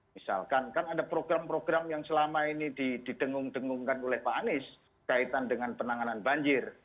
misalkan kan ada program program yang selama ini didengung dengungkan oleh pak anies kaitan dengan penanganan banjir